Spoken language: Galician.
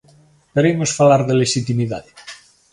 Pero imos falar de lexitimidade.